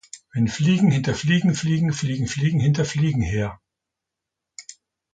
Wenn Fliegen hinter Fliegen fliegen, fliegen Fliegen hinter Fliegen her.